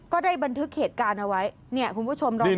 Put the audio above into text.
ก็ได้บันทึกเหตุการณ์เอาไว้เนี่ยคุณผู้ชมลองดู